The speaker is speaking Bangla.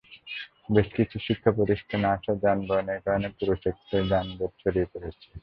বেশ কিছু শিক্ষাপ্রতিষ্ঠানে আসা যানবাহনের কারণে পুরো সেক্টরে যানজট ছড়িয়ে পড়ে।